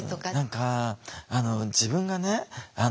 何か自分がね